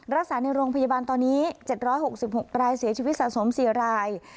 รักษาในโรงพยาบาลตอนนี้เจ็ดร้อยหกสิบหกรายเสียชีวิตสะสมเสียราย